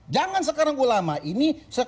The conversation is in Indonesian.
jangan sekarang ulama ini